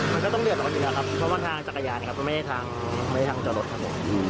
มันก็ต้องเดือดร้อนอยู่นะครับเพราะว่าทางจักรยานไม่ได้ทางจอรถครับ